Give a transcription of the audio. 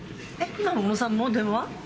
今の小野さんの電話？